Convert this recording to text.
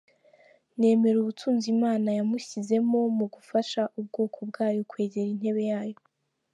Nemera ubutunzi Imana yamushyizemo mu gufasha ubwoko bwayo kwegera intebe yayo.